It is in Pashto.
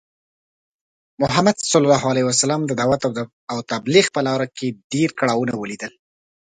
محمد ص د دعوت او تبلیغ په لاره کې ډی کړاوونه ولیدل .